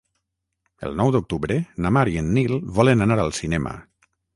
El nou d'octubre na Mar i en Nil volen anar al cinema.